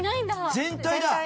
全体だ！